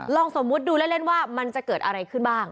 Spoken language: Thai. สมมุติดูเล่นว่ามันจะเกิดอะไรขึ้นบ้าง